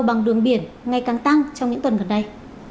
bằng đường biển ngày càng tăng trong những tuần gần đây